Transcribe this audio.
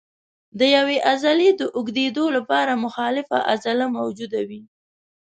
د یوې عضلې د اوږدېدو لپاره مخالفه عضله موجوده وي.